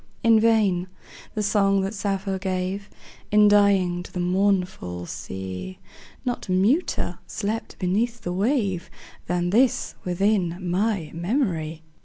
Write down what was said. In vain: the song that Sappho gave, In dying, to the mournful sea, Not muter slept beneath the wave Than this within my memory.